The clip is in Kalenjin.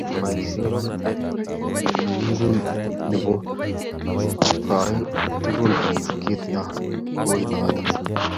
Boisie akilingung nebo koi tugul eng kit ne unoto